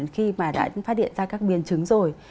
khi mà đã phát hiện ra các biến chứng rồi